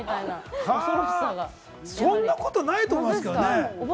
そんなことないと思いますけれどもね。